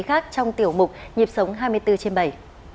các thông tin đáng chú ý khác trong tiểu mục nhịp sống hai mươi bốn trên bảy